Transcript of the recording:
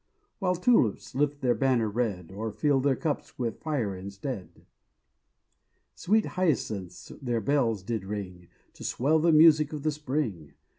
While Tulips lift the banner red, Or fill their cups with fire instead: Sweet Hyacinths their bells did ring, To swell the music of the spring.